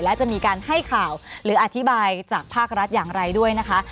และจะมีการให้ข่าวหรืออธิบายจากภาครัฐอย่างไรด้วยนะคะ